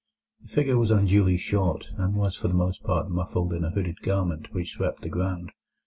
The figure was unduly short, and was for the most part muffled in a hooded garment which swept the ground.